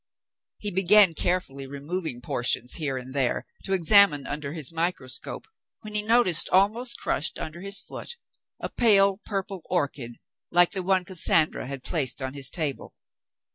He began carefully removing portions here and there to examine under his microscope, when he noticed, almost crushed under his foot, a pale purple orchid like the one Cassandra had placed on his table.